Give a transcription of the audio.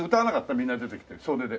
みんな出てきて総出で。